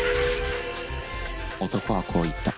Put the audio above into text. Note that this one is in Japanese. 男はこう言った。